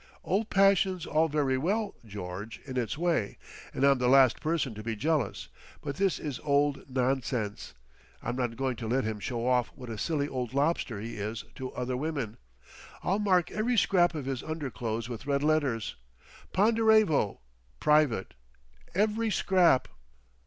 "Old passion's all very well, George, in its way, and I'm the last person to be jealous. But this is old nonsense.... I'm not going to let him show off what a silly old lobster he is to other women.... I'll mark every scrap of his underclothes with red letters, 'Ponderevo Private'—every scrap.